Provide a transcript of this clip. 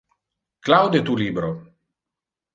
Claude tu libro.